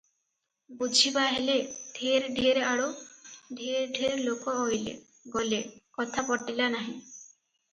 ବୁଝିବାହେଲେ, ଢେର ଢେର ଆଡୁ ଢେର ଢେର ଲୋକ ଅଇଲେ- ଗଲେ, କଥା ପଟିଲା ନାହିଁ ।